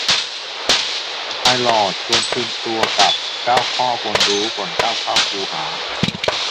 ไอลอว์ชวนเตรียมตัวกับ เก้าข้อควรรู้ ก่อนก้าวเข้าคูหา